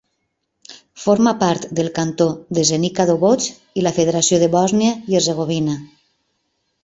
Forma part del Cantó de Zenica-Doboj i la Federació de Bòsnia i Hercegovina.